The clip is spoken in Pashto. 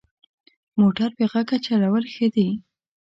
موټر بې غږه چلول ښه دي.